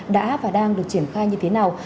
đã và đang được triển khai như thế nào